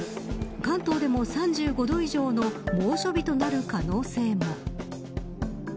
関東でも３５度以上の猛暑日となる可能性も。